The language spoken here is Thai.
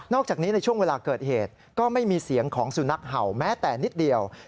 อกจากนี้ในช่วงเวลาเกิดเหตุก็ไม่มีเสียงของสุนัขเห่าแม้แต่นิดเดียว